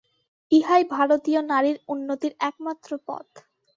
ইহাই ভারতীয় নারীর উন্নতির একমাত্র পথ।